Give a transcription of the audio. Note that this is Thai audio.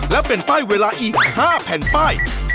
และเป็นป้ายเงินรางวัล๕แผ่นป้าย